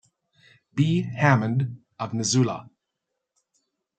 B. Hammond, of Missoula.